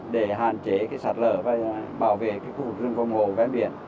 để hạn chế sạt lở và bảo vệ khu vực rừng vòng hồ ven biển